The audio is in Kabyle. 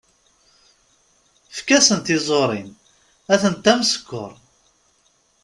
Efk-asen tiẓurin, atenta am skeṛ.